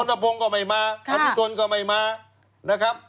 ลนทะพงก็ไม่มาท่านผู้ชนก็ไม่มานะครับ